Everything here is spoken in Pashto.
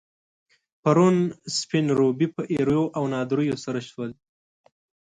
پرون، سپين روبي په ايريو او ناندريو سر شول.